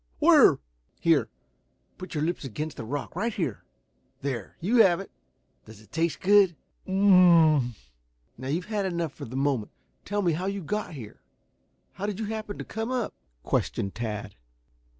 Where?" "Here. Put your lips against the rock right here. There, you have it. Does it taste good?" "U m m m." "Now, you've had enough for the moment. Tell me how you got here? How did you happen to come up?" questioned Tad.